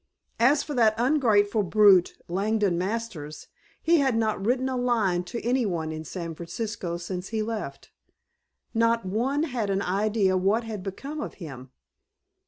As for that ungrateful brute, Langdon Masters, he had not written a line to any one in San Francisco since he left. Not one had an idea what had become of him.